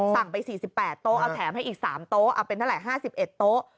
สั่งไป๔๘โต๊ะเอาแถมให้อีก๓โต๊ะเอาเป็นเท่าไหร่๕๑โต๊ะ